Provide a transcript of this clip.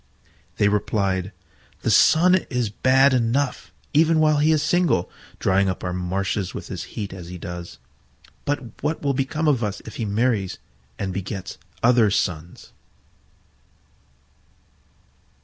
They replied, "The Sun is bad enough even while he is single, drying up our marshes with his heat as he does. But what will become of us if he marries and begets other Suns?"